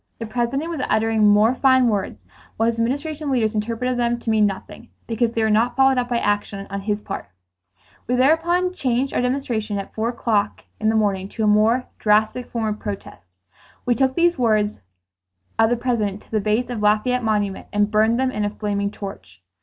The President was uttering more fine words, while his Administration leaders interpreted them to mean nothing, because they were not followed up by action on his part. We thereupon changed our demonstration at four o'clock to a more drastic form of protest. We took these words of the President to the base of Lafayette Monument and burned them in a flaming torch.